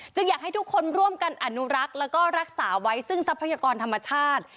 อยากให้ทุกคนร่วมกันอนุรักษ์แล้วก็รักษาไว้ซึ่งทรัพยากรธรรมชาติ